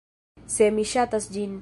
Se mi ŝatas ĝin